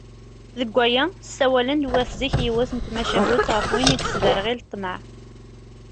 Deg waya, ssawalen-d wat zik yiwet n tmacahut γef win i yesderγil ṭṭmeε.